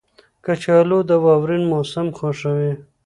کچالو د واورین موسم خوښوي